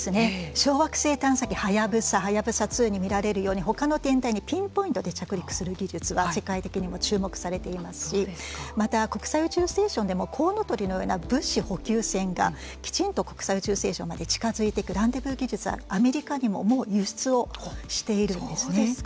小惑星探査機ハヤブサハヤブサ２に見られるようにピンポイントで着陸する技術が世界的にも注目されていますしまた国際宇宙ステーションでもコウノトリのような物資補給がきちんと国際宇宙ステーションまで近づいていくランデブー技術はアメリカにももう輸出をしているんですね。